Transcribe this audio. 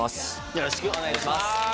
よろしくお願いします。